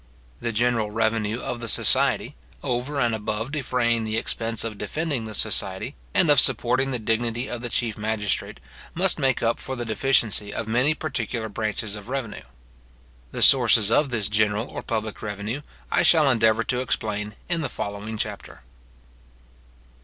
The general revenue of the society, over and above defraying the expense of defending the society, and of supporting the dignity of the chief magistrate, must make up for the deficiency of many particular branches of revenue. The sources of this general or public revenue, I shall endeavour to explain in the following chapter.